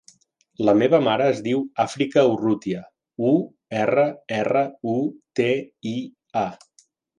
La meva mare es diu Àfrica Urrutia: u, erra, erra, u, te, i, a.